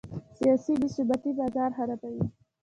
سیاسي بې ثباتي بازار خرابوي.